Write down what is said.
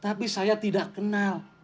tapi saya tidak kenal